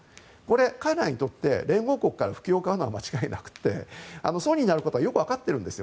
彼らにとって連合国から不興を買うのは間違いなくて損になることはよくわかっているんです。